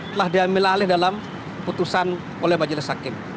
telah diambil alih dalam putusan oleh majelis hakim